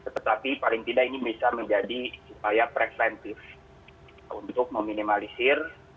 tetapi paling tidak ini bisa menjadi upaya preventif untuk meminimalisir